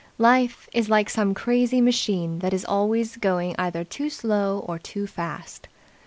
Life is like some crazy machine that is always going either too slow or too fast.